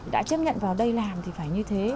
đã chấp nhận vào đây làm thì phải như thế